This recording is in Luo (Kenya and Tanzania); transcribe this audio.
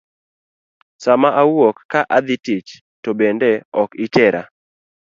Sama awuok ka adhi tich to bende ok itera.